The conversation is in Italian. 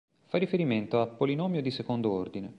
Fai riferimento a polinomio di secondo ordine.